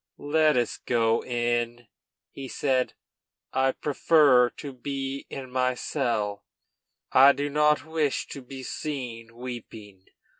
"Let us go in," he said; "I prefer to be in my cell. I do not wish to be seen weeping.